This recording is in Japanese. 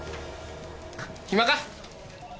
暇か？